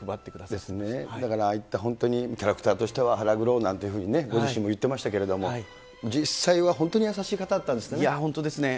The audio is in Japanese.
だからああいったキャラクターとしては腹黒なんていうふうにご自身も言ってましたけれども、実際は本当に優しい方だったんで本当ですね。